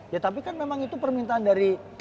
ya tapi kan memang itu permintaan dari